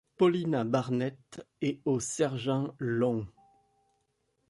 Paulina Barnett et au sergent Long.